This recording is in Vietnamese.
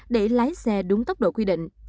để lái xe đúng tốc độ quy định